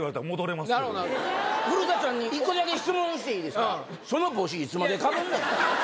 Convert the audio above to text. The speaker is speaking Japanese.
古田さんに１個だけ質問していいですか？